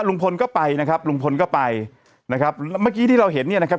ลุงพลก็ไปนะครับลุงพลก็ไปนะครับเมื่อกี้ที่เราเห็นเนี่ยนะครับ